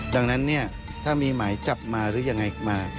ดังนั้นเนี่ยถ้ามีหมายจับมาหรือยังไงมา